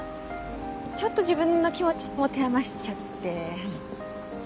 ちょっと自分の気持ち持て余しちゃって。